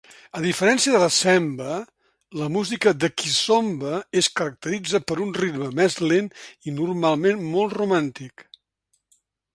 A diferència de la semba, la música de kizomba es caracteritza per un ritme més lent i normalment molt romàntic.